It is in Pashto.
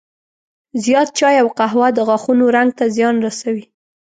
زیات چای او قهوه د غاښونو رنګ ته زیان رسوي.